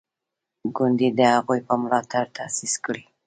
ګوند یې د هغوی په ملاتړ تاسیس کړی.